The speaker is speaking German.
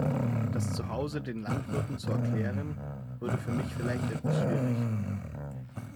Das zuhause den Landwirten zu erklären, würde für mich vielleicht etwas schwierig.